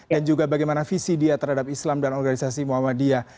dan juga bagaimana visi dia terhadap islam dan organisasi muhammadiyah